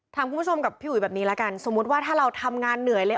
ถามคุณผู้ชมกับพี่อุ๋ยแบบนี้แล้วกันสมมุติว่าถ้าเราทำงานเหนื่อยเลย